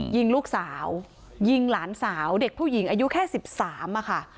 ยิงลูกสาวยิงหลานสาวเด็กผู้หญิงอายุแค่๑๓อะค่ะ